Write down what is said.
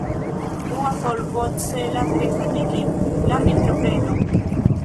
Dua solvo celas resanigi la entreprenon.